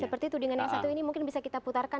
seperti itu dengan yang satu ini mungkin bisa kita putarkan